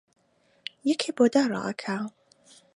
یەکێ بۆ دار ڕائەکا